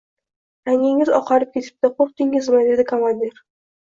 — Rangingiz oqarib ketibdi, qo‘rqdingizmi? — dedi komandir.